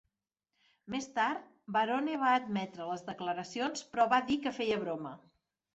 Més tard, Barone va admetre les declaracions però va dir que feia broma.